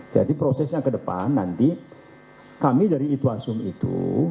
jadi proses yang ke depan nanti kami dari ituasum itu